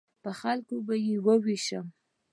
په خلکو به یې ووېشم.